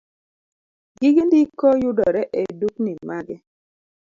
Gige ndiko yudore edukni mage